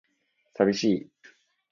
寂しい